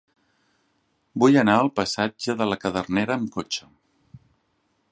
Vull anar al passatge de la Cadernera amb cotxe.